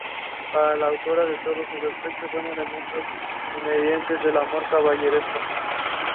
These two species together form "Epilobium" sect.